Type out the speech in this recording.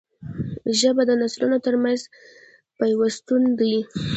ژبه د نسلونو ترمنځ پیوستون دی